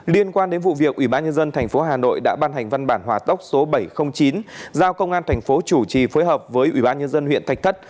liên quan đến vụ việc ủy ban nhân dân tp hà nội đã ban hành văn bản hòa tốc số bảy trăm linh chín giao công an thành phố chủ trì phối hợp với ủy ban nhân dân huyện thạch thất